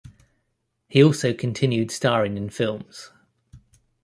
He also continued starring in films.